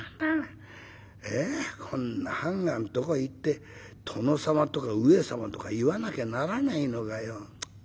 こんな判官とこ行って殿様とか上様とか言わなきゃならないのかよ。